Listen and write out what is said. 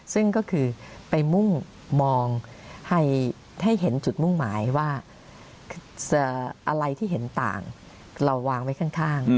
ซึ่งก็คือไปมุ่งมองให้เห็นจุดมุ่งหมายว่าอะไรที่เห็นต่างเราวางไว้ข้าง